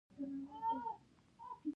خو دوه شیان تر پایه بې بدله پاتې کیږي.